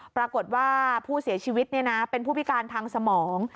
ปรากฏว่าผู้เสียชีวิตเป็นผู้พิการทางสมอง